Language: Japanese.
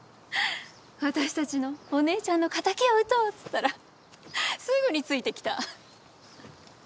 私たちのお姉ちゃんの敵を討とうって言ったらすぐについてきた。